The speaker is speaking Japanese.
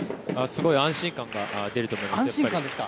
すごい安心感が出ると思います。